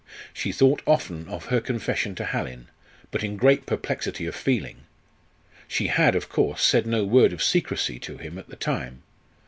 She thought often of her confession to Hallin, but in great perplexity of feeling. She had, of course, said no word of secrecy to him at the time.